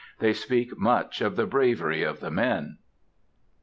They speak much of the bravery of the men.